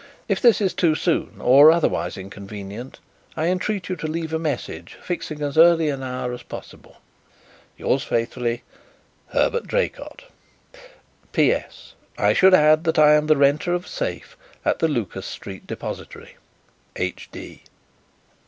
If this is too soon or otherwise inconvenient I entreat you to leave a message fixing as early an hour as possible. "Yours faithfully, "Herbert Draycott. "P.S. I should add that I am the renter of a safe at the Lucas Street depository. _H.D.